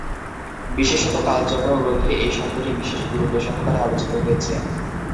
বিশেষত কালচক্র গ্রন্থে এই শব্দটি বিশেষ গুরুত্ব সহকারে আলোচিত হয়েছে।